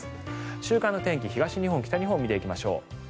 週間の天気、東日本、北日本を見ていきましょう。